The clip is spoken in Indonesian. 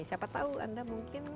siapa tahu anda mungkin